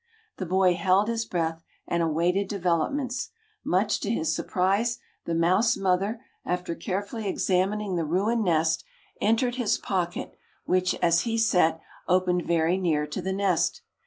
The boy held his breath and awaited developments. Much to his surprise, the mouse mother, after carefully examining the ruined nest, entered his pocket, which, as he sat, opened very near to the nest.